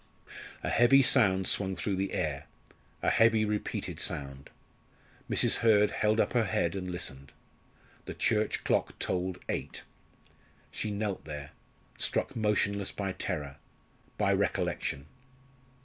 A heavy sound swung through the air a heavy repeated sound. Mrs. Hurd held up her head and listened. The church clock tolled eight. She knelt there, struck motionless by terror by recollection.